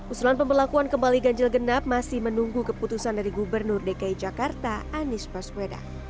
usulan pembelakuan kembali ganjil genap masih menunggu keputusan dari gubernur dki jakarta anies baswedan